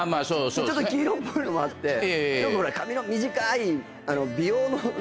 ちょっと黄色っぽいのもあってよく髪の短い美容の先生